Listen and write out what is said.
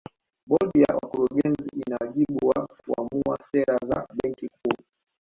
Bodi ya Wakurugenzi ina wajibu wa kuamua sera za Benki Kuu